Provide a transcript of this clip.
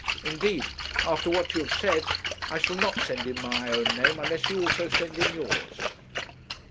Indeed, after what you have said, I shall not send in my own name unless you also send in yours.'